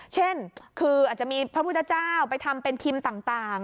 เช่นคืออาจจะมีพระพุทธเจ้าไปทำเป็นพิมพ์ต่าง